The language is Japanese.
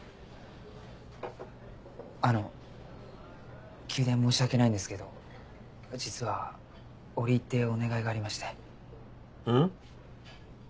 あの急で申し訳ないんですけど実は折り入ってお願いがありまして。